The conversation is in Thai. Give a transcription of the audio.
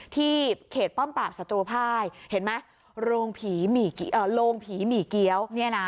ที่เขตป้อมปราบศัตรูภายเห็นไหมโรงผีโรงผีหมี่เกี้ยว